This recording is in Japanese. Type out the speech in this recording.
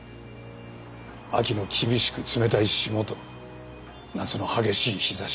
秋の厳しく冷たい霜と夏の激しい日ざし。